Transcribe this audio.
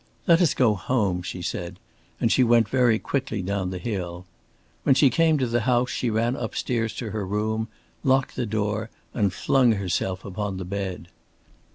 "Let us go home," she said, and she went very quickly down the hill. When she came to the house she ran up stairs to her room, locked the door and flung herself upon her bed.